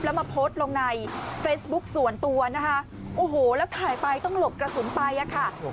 แล้วมาโพสต์ลงในเฟซบุ๊คส่วนตัวนะคะโอ้โหแล้วถ่ายไปต้องหลบกระสุนไปอ่ะค่ะ